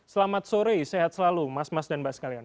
selamat sore sehat selalu mas mas dan mbak sekalian